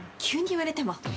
急に言われても。